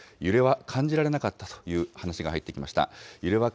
揺れは感じられなかったという話が入ってきました。